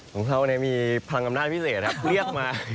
ของข้าวมีพลังกำหน้าพิเศษครับเรียกมา